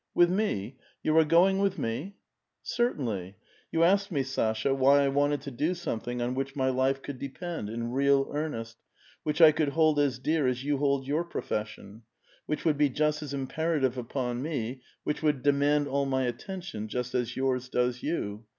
" With me? You are going with me? "" Certainly. You asked me, Sasha, why I wanted to do something on which my life could depend, in real earnest, which I could hold as dear as you hold your profession ; which would be just ns imperative upon mo, which would demand all my attention, just as yours does you